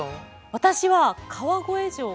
私は川越城が。